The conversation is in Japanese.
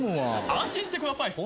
安心してください。